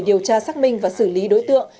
điều tra xác minh và xử lý đối tượng